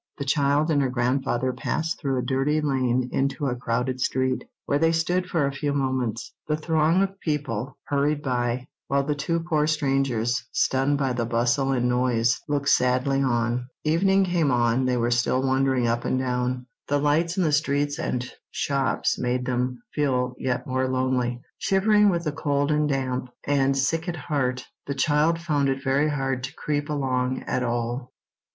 The child and her grandfather passed through a dirty lane into a crowded street, where they stood for a few moments. The throng of people hurried by, while the two poor strangers, stunned by the bustle and noise, looked sadly on. Evening came on; they were still wandering up and down. The lights in the streets and shops made them feel yet more lonely. Shivering with the cold and damp, and sick at heart, the child found it very hard to creep along at all.